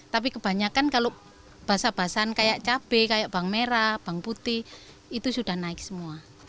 tapi kebanyakan kalau basah basahan kayak cabai kayak bawang merah bawang putih itu sudah naik semua